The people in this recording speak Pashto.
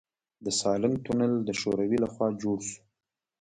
د سالنګ تونل د شوروي لخوا جوړ شو